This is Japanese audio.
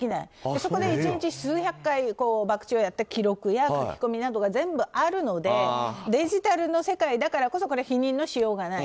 そこで１日、数百回博打をやった記録や書き込みなどがあるのでデジタルの世界だからこそ否認のしようがない。